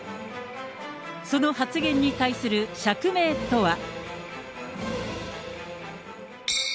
その発言に対する釈明とは。